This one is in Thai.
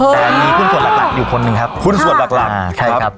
แต่มีหุ้นส่วนหลักหลักอยู่คนหนึ่งครับหุ้นส่วนหลักหลักอ่าใช่ครับ